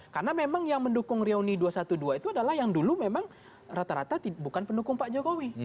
karena memang yang mendukung reuni dua ratus dua belas itu adalah yang dulu memang rata rata bukan pendukung pak jokowi